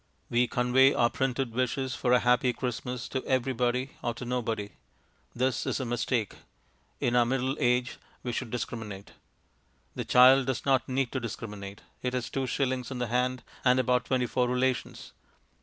We convey our printed wishes for a happy Christmas to everybody or to nobody. This is a mistake. In our middle age we should discriminate. The child does not need to discriminate. It has two shillings in the hand and about twenty four relations.